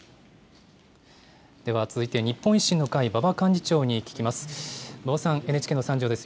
では続いて、日本維新の会、馬場幹事長に聞きます。